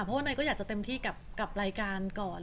เพราะว่านายก็อยากจะเต็มที่กับรายการก่อน